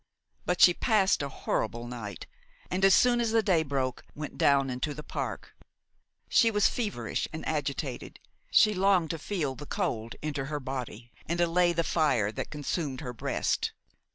But she passed a horrible night, and, as soon as the day broke, went down into the park. She was feverish and agitated; she longed to feel the cold enter her body and allay the fire that consumed her breast.